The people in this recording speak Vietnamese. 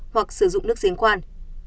hoặc sử dụng nước diễn khoan